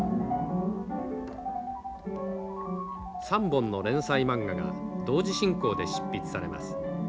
３本の連載マンガが同時進行で執筆されます。